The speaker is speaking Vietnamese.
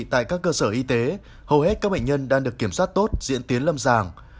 tại các cơ sở y tế hầu hết các bệnh nhân đang được kiểm soát tốt diễn tiến lâm sàng